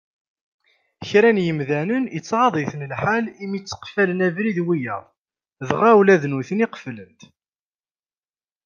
Kra n yimdanen ittɣad-iten lḥal mi tteqfalen abrid wiyaḍ, dɣa ula d nutni qeflen-t.